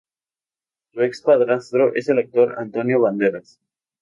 Su ex padrastro es el actor Antonio Banderas.